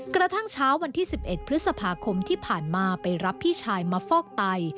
กระทั่งเช้าวันที่๑๑พฤษภาคมที่ผ่านมาไปรับพี่ชายมาฟอกไต